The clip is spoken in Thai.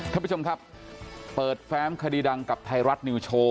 ท่านผู้ชมครับเปิดแฟ้มคดีดังกับไทยรัฐนิวโชว์